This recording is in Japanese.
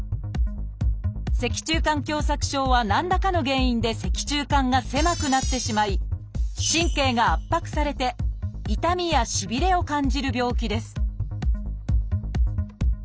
「脊柱管狭窄症」は何らかの原因で脊柱管が狭くなってしまい神経が圧迫されて痛みやしびれを感じる病気です